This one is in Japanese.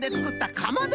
かまど？